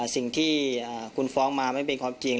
สิ่งที่คุณฟ้องมาไม่เป็นความจริง